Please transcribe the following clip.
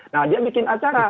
nah dia bikin acara